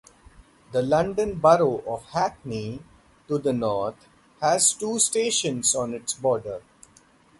The London Borough of Hackney, to the north, has two stations on its border.